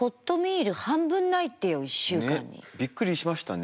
夕飯にびっくりしましたね。